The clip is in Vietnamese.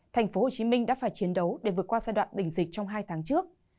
tp hcm đã phải chiến đấu để vượt qua giai đoạn đỉnh dịch trong hai tháng trước